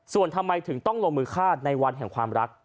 ส่วนทำไมถึงต้องลงมือฆ่าในวันแห่งความรัก